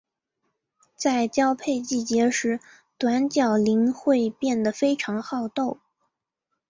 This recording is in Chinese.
在交配季节时短角羚会变得非常好斗。